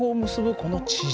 この地軸